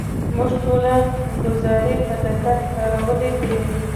موږ ټولې ګزارې په دقت کارولې دي.